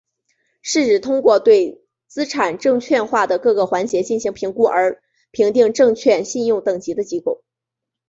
是指通过对资产证券化的各个环节进行评估而评定证券信用等级的机构。